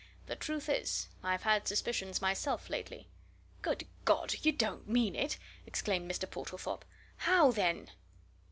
"The truth is, I've had suspicions myself lately." "Good God! you don't mean it!" exclaimed Mr. Portlethorpe. "How, then?"